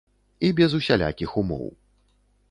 І без усялякіх умоў.